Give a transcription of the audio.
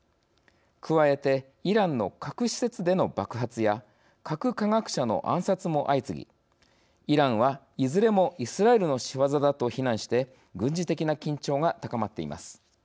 加えて、イランの核施設での爆発や核科学者の暗殺も相次ぎイランは、いずれもイスラエルの仕業だと非難して軍事的な緊張が高まっています。